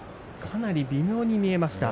かなり微妙に見えました。